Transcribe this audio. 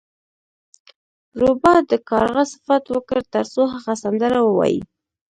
روباه د کارغه صفت وکړ ترڅو هغه سندره ووایي.